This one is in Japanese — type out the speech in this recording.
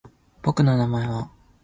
僕の名前は山田ナッパ！気円斬！